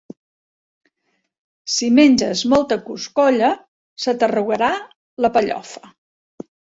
Si menges molta coscolla, se t'arrugarà la... pellofa.